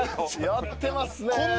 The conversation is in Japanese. やってますね。